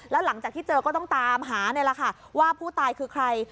แล้วหลังจากที่เจอก็ต้องตามหานี่แหละค่ะว่าผู้ตายคือใคร